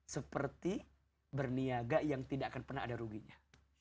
seperti berniaga yang tidak akan pernah ada ruginya